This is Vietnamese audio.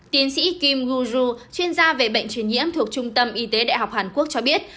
tiến sĩ kim uso chuyên gia về bệnh truyền nhiễm thuộc trung tâm y tế đại học hàn quốc cho biết